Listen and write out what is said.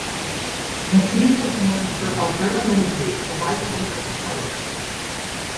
The city was named for Alberta Lindsey, the wife of an early settler.